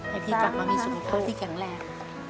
ให้พี่กลับมามีสุขภาพที่แข็งแรง